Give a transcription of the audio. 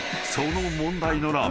その問題の］